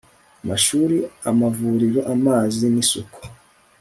amashuri amavuriro amazi n isuku